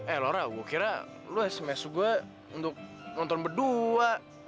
eh lora gue kira lu sms gue untuk nonton berdua